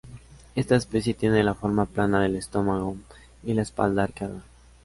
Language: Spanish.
Esta especie tiene la forma plana del estómago y la espalda arqueada.